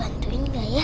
ada yang sahus yuk